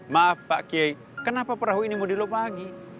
maaf pak kiai kenapa perahu ini mau dilupagi